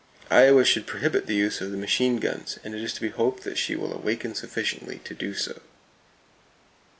Iowa should prohibit the use of the machine guns, and it is to be hoped that she will awaken sufficiently to do so.